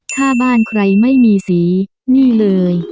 ถ้าบ้านใครไม่มีสีนี่เลย